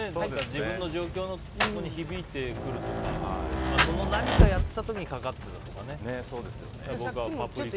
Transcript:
自分の状況に響いてくるとかその何かやっていた時にかかってきたとかね。